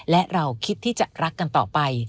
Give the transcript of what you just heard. และเราคิดที่จะรักกันต่อไป